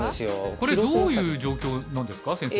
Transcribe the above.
これどういう状況なんですか先生。